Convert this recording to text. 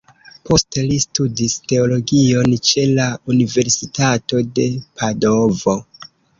Poste li studis teologion ĉe la universitato de Padovo.